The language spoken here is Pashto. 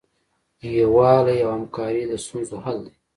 یووالی او همکاري د ستونزو حل دی.